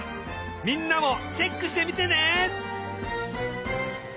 みんなもチェックしてみてね！